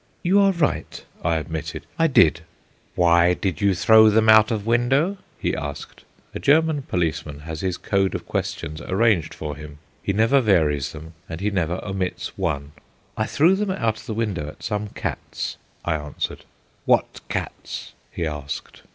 "You are right," I admitted; "I did." "Why did you throw them out of window?" he asked. A German policeman has his code of questions arranged for him; he never varies them, and he never omits one. "I threw them out of the window at some cats," I answered. "What cats?" he asked.